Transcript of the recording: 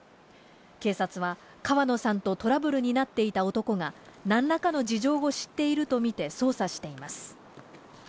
警察は、川野さんとトラブルになっていた男が、なんらかの事情を知っていると見て、捜査しています。